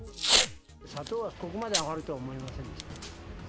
砂糖はここまで上がるとは思いませんでした。